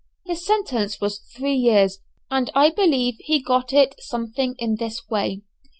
His sentence was three years, and I believe he got it something in this way.